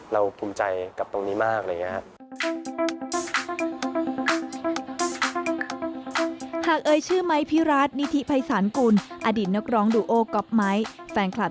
เราก็เป็นเหมือนกับ